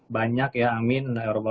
banyak ya amin